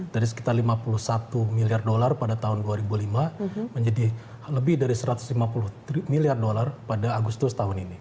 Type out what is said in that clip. dari sekitar lima puluh satu miliar dolar pada tahun dua ribu lima menjadi lebih dari satu ratus lima puluh miliar dolar pada agustus tahun ini